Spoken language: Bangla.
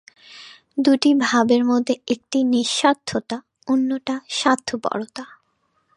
দুটি ভাবের মধ্যে একটি নিঃস্বার্থতা, অন্যটি স্বার্থপরতা।